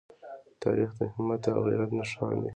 تاریخ د همت او غیرت نښان دی.